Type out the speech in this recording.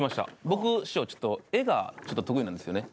僕師匠ちょっと絵が得意なんですよね。